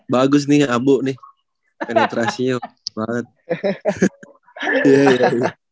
bagus nih abu nih penetrasinya banget